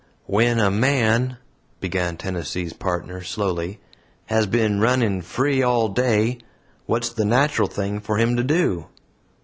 "When a man," began Tennessee's Partner, slowly, "has been running free all day, what's the natural thing for him to do?